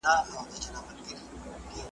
روغتون جوړول ثواب لري؟